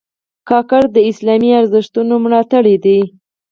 کاکړ د اسلامي ارزښتونو ملاتړي دي.